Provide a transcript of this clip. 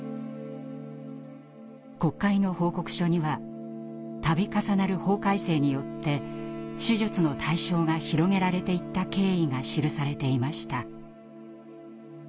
国会の報告書には度重なる法改正によって手術の対象が広げられていった経緯が記されていました。